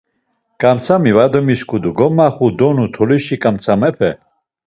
Ǩamtzami var demisǩudu, gomaxu donu tolişi ǩamtzamepe.